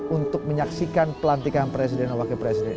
untuk menyaksikan pelantikan presiden dan wakil presiden